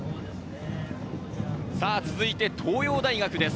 続いて東洋大学です。